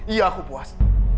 iya aku puas